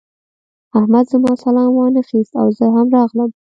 احمد زما سلام وانخيست او زه هم راغلم.